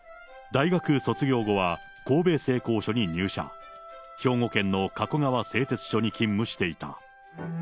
大学卒業後は神戸製鋼所に入社、兵庫県の加古川製鉄所に勤務していた。